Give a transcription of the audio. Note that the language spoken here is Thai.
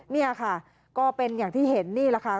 นี่ค่ะก็เป็นอย่างที่เห็นนี่แหละค่ะ